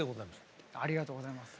ありがとうございます。